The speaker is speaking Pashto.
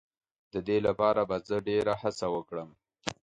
د دې لپاره به زه ډېر هڅه وکړم.